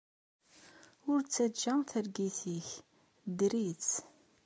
Ur ttajja targit-nnek! Dder-itt!